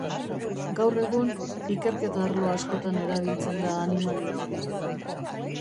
Gaur egun, ikerketa-arlo askotan erabiltzen da animalia hori.